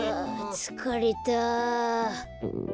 つかれた。